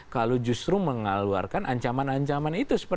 kalau justru mengeluarkan ancaman ancaman itu